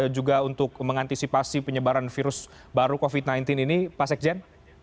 juga untuk mengantisipasi penyebaran virus baru covid sembilan belas ini pak sekjen